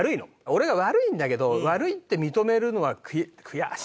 俺が悪いんだけど悪いって認めるのは悔しい。